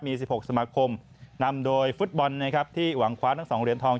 มี๑๖สมาคมนำโดยฟุตบอลนะครับที่หวังคว้าทั้ง๒เหรียญทอง